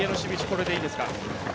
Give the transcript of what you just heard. これでいいですか？